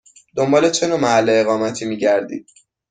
دنبال چه نوع محل اقامتی می گردید؟